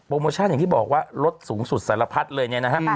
โมชั่นอย่างที่บอกว่ารถสูงสุดสารพัดเลยเนี่ยนะฮะ